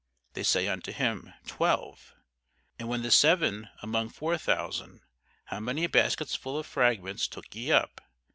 They say unto him, Twelve. And when the seven among four thousand, how many baskets full of fragments took ye up?